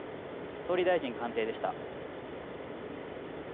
総理大臣官邸でした。